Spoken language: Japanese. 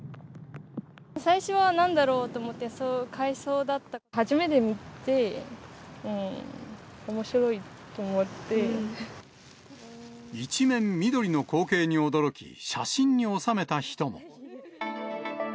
最初は、なんだろうと思って、初めて見て、おもしろいと思一面、緑の光景に驚き、写真に収めた人も。